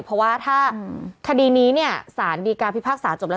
เพราะว่าถ้าคดีนี้เนี่ยสารดีการพิพากษาจบแล้ว